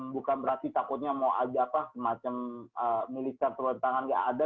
bukan berarti takutnya mau aja apa semacam militer turun tangan gak ada